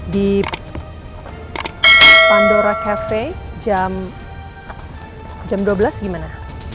di pandora cafe jam dua belas gimana